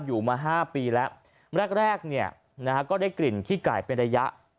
อยู่มา๕ปีแล้วแรกเนี่ยนะฮะก็ได้กลิ่นขี้ไก่เป็นระยะ